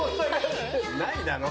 ないだろう。